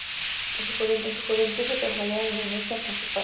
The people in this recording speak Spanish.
En su juventud, se trasladó a Indonesia con su padre.